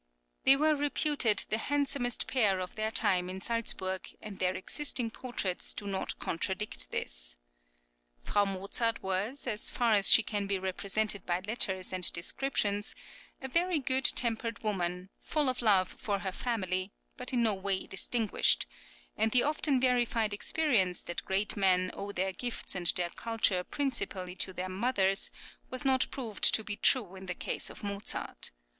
They were reputed the handsomest pair of their time in Salzburg, and their existing portraits do not contradict this. Frau Mozart was, as far as she can be represented by letters and descriptions, a very good tempered woman, full of love for her family, but in no way distinguished; and the often verified experience that great men owe their gifts and their culture principally to their mothers was not proved to be true in the case of Mozart.